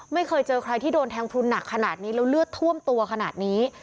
ไม่เคยเจอใครที่โดนแทงพลุนหนักขนาดนี้แล้วเลือดท่วมตัวขนาดนี้